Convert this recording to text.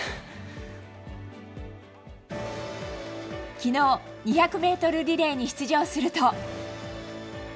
昨日、２００ｍリレーに出場すると。